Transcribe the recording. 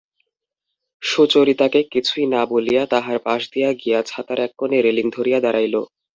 সুচরিতাকে কিছুই না বলিয়া তাহার পাশ দিয়া গিয়া ছাতের এক কোণে রেলিং ধরিয়া দাঁড়াইল।